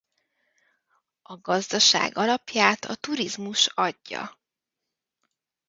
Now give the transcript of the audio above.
A gazdaság alapját a turizmus adja.